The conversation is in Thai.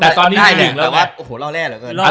แต่ตอนนี้มี๑แล้วไหม